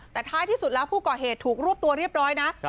แต่ท้ายที่สุดแล้วผู้ก่อเหตุถูกรวบตัวเรียบร้อยนะ